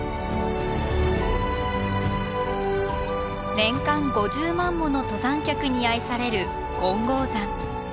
年間５０万もの登山客に愛される金剛山。